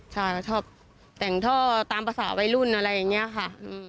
ใช่ชอบแต่งท่อตามภาษาวัยรุ่นอะไรอย่างนี้ค่ะ